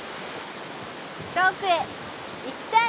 遠くへ行きたい！